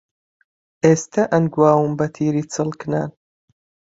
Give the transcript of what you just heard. ئێستە ئەنگواوم بەتیری چڵکنان